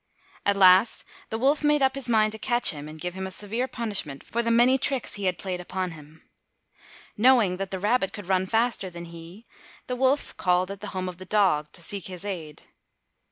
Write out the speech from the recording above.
At last the wolf made up his mind to catch him and give him a severe punishment for the many tricks he had played upon him. Knowing that the rabbit could run faster than he, the wolf called at the home of the dog to seek his aid.